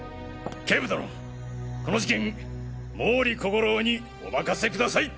警部殿この事件毛利小五郎にお任せください！